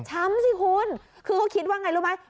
สิคุณคือเขาคิดว่าไงรู้ไหม